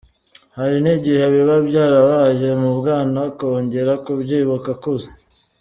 Hari n’igihe biba byarabaye mu bwana ukongera kubyibuka ukuze.